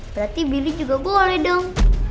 berarti bilik juga boleh dong